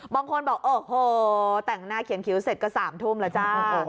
บางคนบอกโอ้โหแต่งหน้าเขียนคิ้วเสร็จก็๓ทุ่มแล้วจ้า